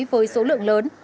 với số lượng lớn